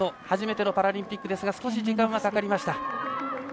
初めてのパラリンピックでしたが少し時間がかかりました。